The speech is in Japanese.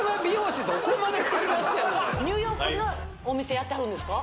ニューヨークのお店やってはるんですか？